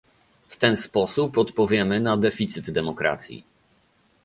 W ten sposób odpowiemy na deficyt demokracji